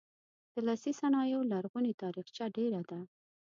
د لاسي صنایعو لرغونې تاریخچه ډیره ده.